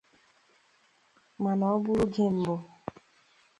Mana ọ bụrụ oge mbụ